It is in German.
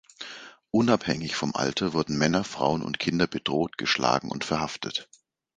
Unabhängig vom Alter wurden Männer, Frauen und Kinder bedroht, geschlagen und verhaftet.